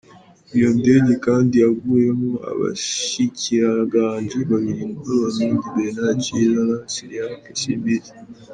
Iyo ndege kandi yaguyemwo abashikiranganji babiri b'Abarundi, Bernard Ciza na Cyriaque Simbizi.